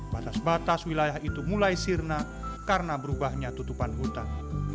batas batas wilayah itu mulai sirna karena berubahnya tutupan hutan